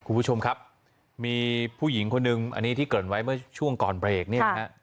คุณผู้ชมครับมีผู้หญิงคนหนึ่งอันนี้ที่เกิดไว้เมื่อช่วงก่อนเบรกเนี่ยนะฮะ